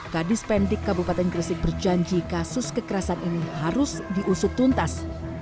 kadis pendik kabupaten gresik berjanji kasus kekerasan ini harus diusut tuntas